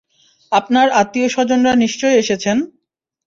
আপনার আত্মীয়-স্বজনরা নিশ্চয়ই এসেছেন।